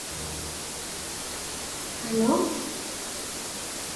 Lietuvos Rytas plays in the Eurocup, Lithuanian Basketball League, and King Mindaugas Cup.